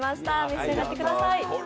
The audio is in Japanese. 召し上がってください。